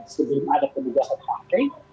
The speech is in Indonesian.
sebelum ada penyiasat partai